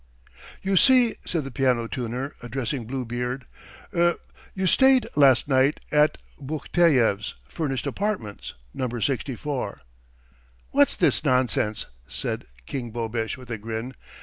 "You see," said the piano tuner, addressing Bluebeard. "Er ... you stayed last night at Buhteyev's furnished apartments ... No. 64 ..." "What's this nonsense?" said King Bobesh with a grin.